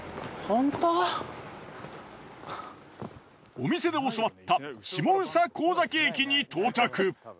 お店で教わった下総神崎駅に到着。